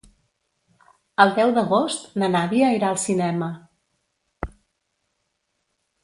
El deu d'agost na Nàdia irà al cinema.